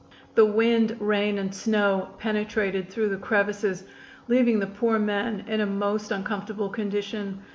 The wind, rain and snow penetrated through the crevices, leaving the poor men in a most uncomfortable condition.